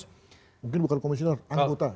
mungkin bukan komisioner anggota